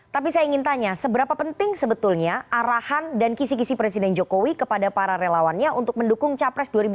tapi saya ingin tanya seberapa penting sebetulnya arahan dan kisi kisi presiden jokowi kepada para relawannya untuk mendukung capres dua ribu dua puluh